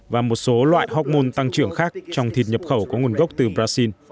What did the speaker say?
và một số loại học môn tăng trưởng khác trong thịt nhập khẩu có nguồn gốc từ brazil